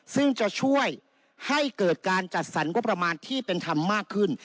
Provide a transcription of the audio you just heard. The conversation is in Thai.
ซึ่งจะช่วยให้เกิดการจัดสรรงบประมาณที่เป็นธรรมมากขึ้น